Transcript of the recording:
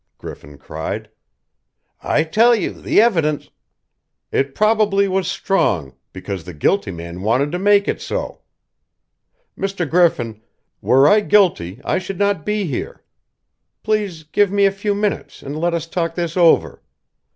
Griffin cried. "I tell you the evidence " "It probably was strong, because the guilty man wanted to make it so. Mr. Griffin, were I guilty I should not be here. Please give me a few minutes, and let us talk this over.